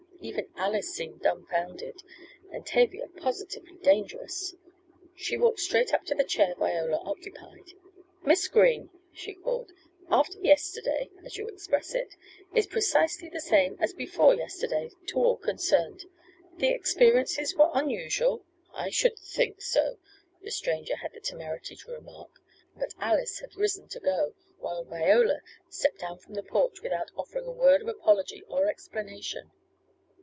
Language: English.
Even Alice seemed dumbfounded, and Tavia positively dangerous. She walked straight up to the chair Viola occupied. "Miss Green," she called. "'After yesterday,' as you express it, is precisely the same as before yesterday, to all concerned. The experiences were unusual " "I should think so " the stranger had the temerity to remark, but Alice had risen to go, while Viola stepped down from the porch, without offering a word of apology or explanation.